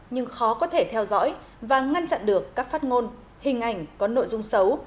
nhưng khó có thể theo dõi và ngăn chặn được các phát ngôn hình ảnh có nội dung xấu